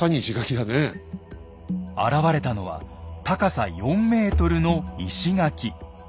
現れたのは高さ４ｍの石垣。